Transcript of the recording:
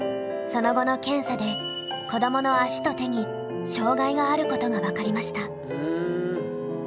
その後の検査で子どもの足と手に障害があることが分かりました。